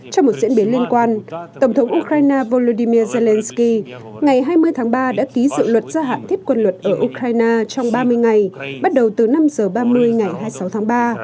trong một diễn biến liên quan tổng thống ukraine volodymyr zelensky ngày hai mươi tháng ba đã ký dự luật gia hạn thiết quân luật ở ukraine trong ba mươi ngày bắt đầu từ năm h ba mươi ngày hai mươi sáu tháng ba